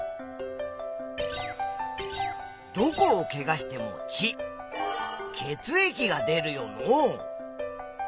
どこをケガしても血血液が出るよのう。